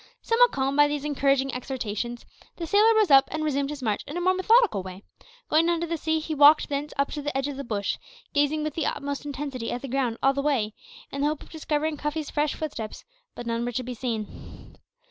Somewhat calmed by these encouraging exhortations, the sailor rose up and resumed his search in a more methodical way. Going down to the sea, he walked thence up to the edge of the bush, gazing with the utmost intensity at the ground all the way, in the hope of discovering Cuffy's fresh footsteps; but none were to be seen.